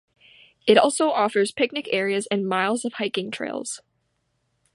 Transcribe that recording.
It also offers picnic areas and miles of hiking trails.